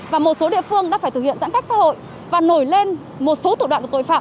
và một số địa phương đã phải thực hiện giãn cách xã hội và nổi lên một số thủ đoạn của tội phạm